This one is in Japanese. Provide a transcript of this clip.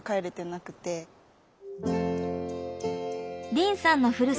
凜さんのふるさと